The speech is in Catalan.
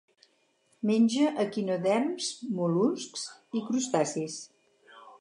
Menja equinoderms, mol·luscs i crustacis.